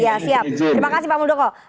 ya siap terima kasih pak muldoko